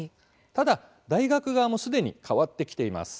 ただ、大学側もすでに変わってきています。